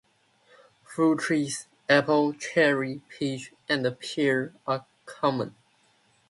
Fruit trees-apple, cherry, peach, and pear-are common.